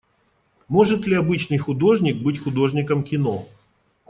Может ли обычный художник быть художником кино?